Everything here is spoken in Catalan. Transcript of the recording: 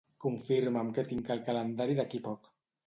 Confirma'm què tinc al calendari d'aquí poc.